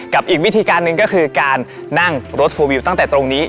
อีกวิธีการหนึ่งก็คือการนั่งรถโฟลวิวตั้งแต่ตรงนี้